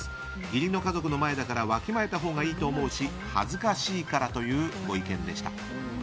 義理の家族の前だからわきまえたほうがいいと思うし恥ずかしいからというご意見でした。